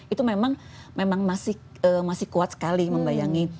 itu memang masih kuat sekali membayangi